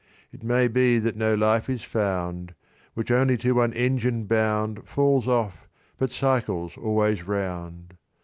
"It may be that no life is found, Which only to one engine bound Falls off, but cycles always round.